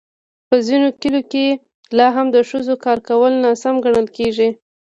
په ځینو کلیو کې لا هم د ښځو کار کول ناسم ګڼل کېږي.